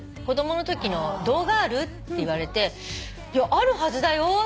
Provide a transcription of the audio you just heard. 「子供のときの動画ある？」って言われて「あるはずだよ」